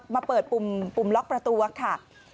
มาเปิดปุ่มล็อกประตูค่ะ